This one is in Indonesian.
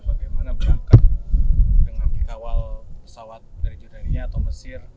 bagaimana berangkat dengan mengawal pesawat dari jordan ini atau mesir